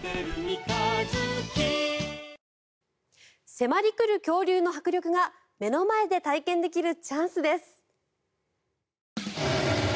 迫り来る恐竜の迫力が目の前で体験できるチャンスです。